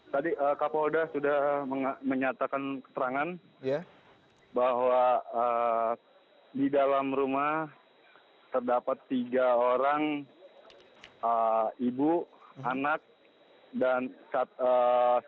tadi kapolda sudah menyatakan keterangan bahwa di dalam rumah terdapat tiga orang ibu anak dan satgas